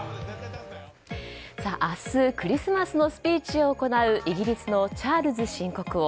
明日、クリスマスのスピーチを行うイギリスのチャールズ新国王。